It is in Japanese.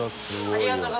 ありがとう！